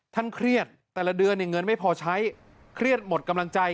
เครียดแต่ละเดือนเนี่ยเงินไม่พอใช้เครียดหมดกำลังใจ